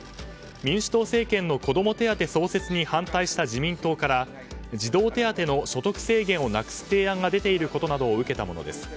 民主党政権の子ども手当創設に反対した自民党から児童手当の所得制限を撤廃する提案を受けたものです。